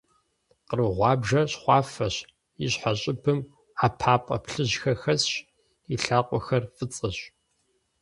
Къру гъуабжэр щхъуафэщ, и щхьэ щӀыбым ӀэпапӀэ плъыжьхэр хэсщ, и лъакъуэхэр фӀыцӀэщ.